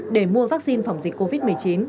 để mua vaccine phòng dịch covid một mươi chín